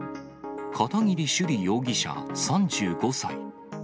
片桐朱璃容疑者３５歳。